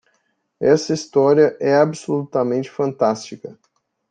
Esta história é absolutamente fantástica!